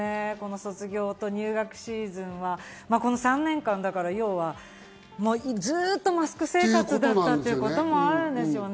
卒業と入学シーズンはこの３年、ずっとマスク生活だったということもあるんですよね。